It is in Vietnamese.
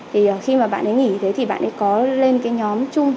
thì khi mà bạn ấy nghỉ như thế thì bạn ấy có lên cái nhóm chung